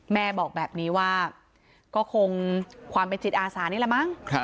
แม่บอกแบบนี้ว่าก็คงความเป็นจิตอาสานี่แหละมั้ง